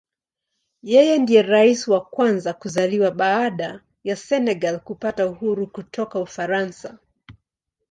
Yeye ndiye Rais wa kwanza kuzaliwa baada ya Senegal kupata uhuru kutoka Ufaransa.